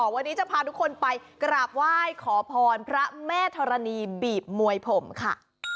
วันนี้จะพาทุกคนไปกราบไหว้ขอพรพระแม่ธรณีบีบมวยผมค่ะ